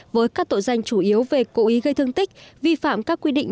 với các tội danh chủ yếu về cố ý gây thương tích vi phạm các quy định